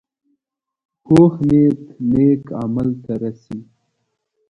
پوخ نیت نیک عمل ته رسي